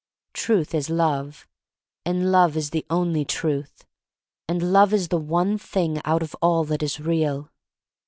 Truth is Love, and Love is the only Truth, and Love is the one thing out of all that is real.